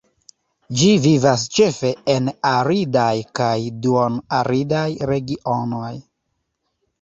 Ĝi vivas ĉefe en aridaj kaj duon-aridaj regionoj.